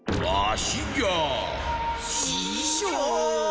ししょう！